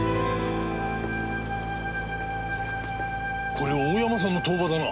これ大山さんの塔婆だな。